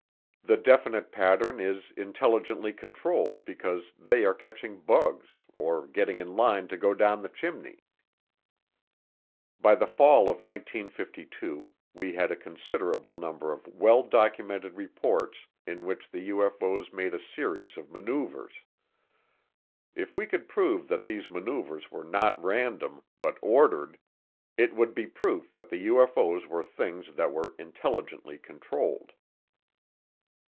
The definite pattern is intelligently controlled because they are catching bugs or getting in line to go down the chimney. By the fall of 1952 we had a considerable number of well documented reports in which the UFO's made a series of maneuvers. If we could prove that these maneuvers were not random, but ordered, it would be proof that the UFO's were things that were intelligently controlled.